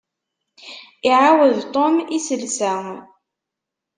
Iɛawed Tom iselsa.